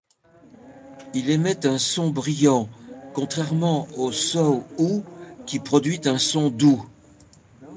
Il émet un son brillant contrairement au Saw u, qui produit un son doux.